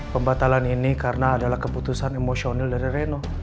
pembatalan ini karena adalah keputusan emosional dari reno